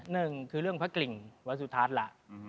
หนึ่งคือเรื่องพระกริ่งวัดสุทัศน์ล่ะ